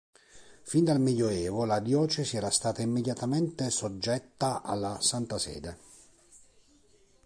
Fin dal Medioevo la diocesi era stata immediatamente soggetta alla Santa Sede.